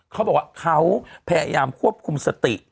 เขาบอกว่าเขาพยายามควบคุมสติ